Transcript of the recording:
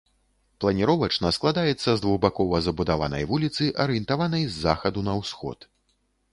Планіровачна складаецца з двухбакова забудаванай вуліцы, арыентаванай з захаду на ўсход.